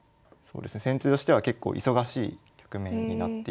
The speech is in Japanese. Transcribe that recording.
先手としては結構忙しい局面になっています。